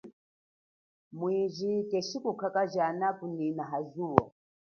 Mwiji keshi nyi kukakajala kunyina ha zuwo.